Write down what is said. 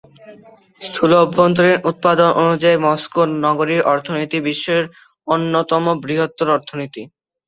স্থূল অভ্যন্তরীণ উৎপাদন অনুযায়ী মস্কো নগরীর অর্থনীতি বিশ্বের অন্যতম বৃহত্তম অর্থনীতি।